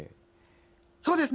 そうですね。